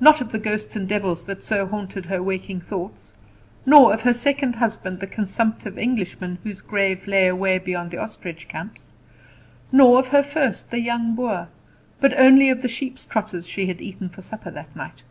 Not of the ghosts and devils that so haunted her waking thoughts; not of her second husband the consumptive Englishman, whose grave lay away beyond the ostrich camps, nor of her first, the young Boer; but only of the sheep's trotters she had eaten for supper that night.